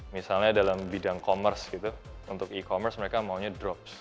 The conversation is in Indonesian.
misalnya dalam bidang commerce gitu untuk e commerce mereka maunya drops